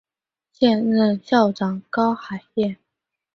现任校长高海燕。